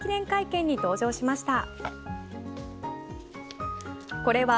記念会見に登場しました。